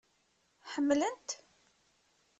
Ḥemmlen-t?